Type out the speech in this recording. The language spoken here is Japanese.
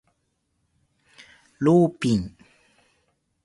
ローピン